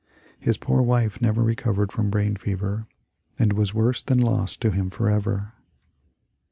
His poor wife never recovered from brain fever, and was worse than lost to him forever."